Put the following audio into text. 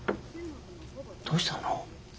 どうしたの？